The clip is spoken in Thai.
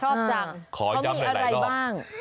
ชอบจังเขามีอะไรบ้าง